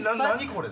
これ。